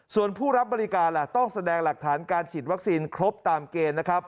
ส่วนผู้รับบริการล่ะต้องแสดงหลักฐานการฉีดวัคซีนครบตามเกณฑ์นะครับ